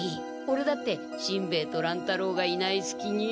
オレだってしんべヱと乱太郎がいないすきに。